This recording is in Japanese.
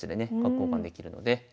交換できるので。